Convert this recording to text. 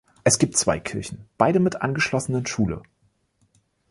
Es gibt zwei Kirchen, beide mit angeschlossenen Schule.